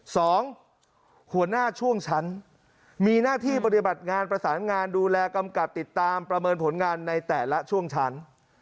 หัวหน้าช่วงชั้นมีหน้าที่ปฏิบัติงานประสานงานดูแลกำกับติดตามประเมินผลงานในแต่ละช่วงชั้น